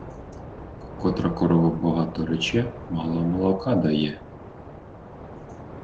Котра корова богато риче, мало молока дає.